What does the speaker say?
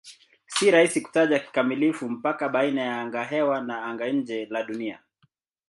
Si rahisi kutaja kikamilifu mpaka baina ya angahewa na anga-nje la Dunia.